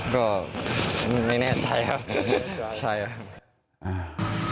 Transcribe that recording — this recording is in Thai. ก็ไม่แน่ใจครับใช่ครับ